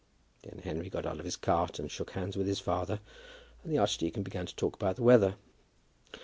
Then Henry got out of his cart and shook hands with his father, and the archdeacon began to talk about the weather.